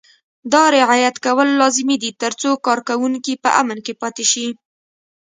دا رعایت کول لازمي دي ترڅو کارکوونکي په امن کې پاتې شي.